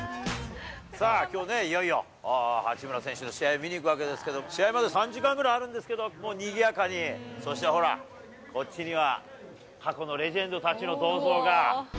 さあ、きょうね、いよいよ八村選手の試合を見に行くわけですけれども、試合まで３時間ぐらいあるんですけど、もうにぎやかに、そしてほら、こっちには、過去のレジェンドたちの銅像が。